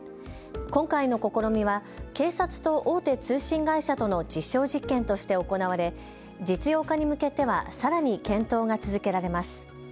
今回の試みは警察と大手通信会社との実証実験として行われ実用化に向けてはさらに検討が続けられます。